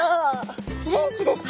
フレンチですか？